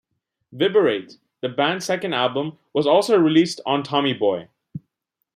"Viberate", the band's second album, was also released on Tommy Boy.